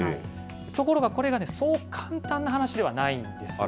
ところがこれがそう簡単な話ではないんです。